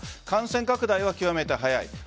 感染拡大が極めて早い。